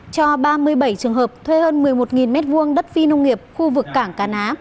cho ba mươi bảy trường hợp thuê hơn một mươi một m hai đất phi nông nghiệp khu vực cảng cá ná